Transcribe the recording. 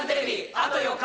あと４日！